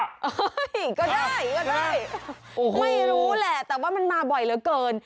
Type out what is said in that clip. ก็ได้ก็ได้ไม่รู้แหละแต่ว่ามันมาบ่อยเหลือเกิน